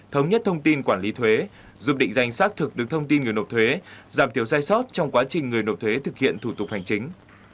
thống nhất thông tin quản lý thuế giúp định danh xác thực được thông tin người nộp thuế giảm thiểu sai sót trong quá trình người nộp thuế thực hiện thủ tục hành chính